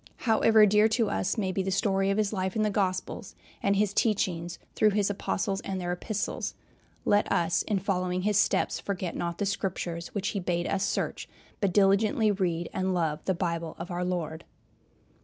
However dear to us may be the story of his life in the Gospels and his teachings through his Apostles and their Epistles, let us in following his steps forget not "the Scriptures" which he bade us search, but diligently read and love the Bible of our Lord.